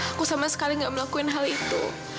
aku sama sekali tidak melakukan hal itu